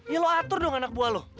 ya lo atur dong anak buah lo